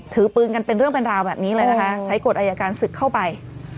ถือปืนกันเป็นเรื่องเป็นราวแบบนี้เลยนะคะใช้กฎอายการศึกเข้าไป